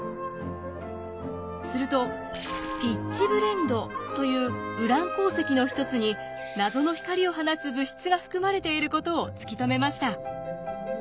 するとピッチブレンドというウラン鉱石の一つに謎の光を放つ物質が含まれていることを突き止めました。